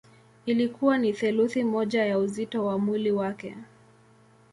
Ilikuwa ni theluthi moja ya uzito wa mwili wake.